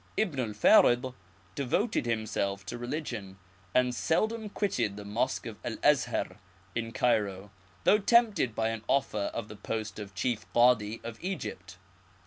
Ibn el Farid devoted himself to religion, and seldom quitted the mosque El Azhar at Cairo, though tempted by an offer of the post of Chief Cadi of Egypt.